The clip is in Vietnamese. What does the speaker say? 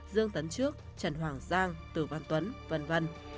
dương tấn trước trần hoàng giang tử văn tuấn v v